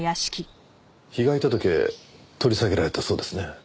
被害届取り下げられたそうですね。